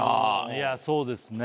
いやそうですね。